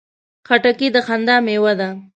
خټکی د خندا مېوه ده.